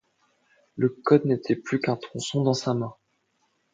Le code n’était plus qu’un tronçon dans sa main.